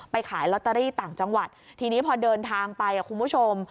ขายลอตเตอรี่ต่างจังหวัดทีนี้พอเดินทางไปคุณผู้ชม